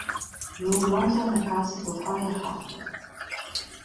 E holl amzer en doa kaset o c'hoari ar c'hartoù.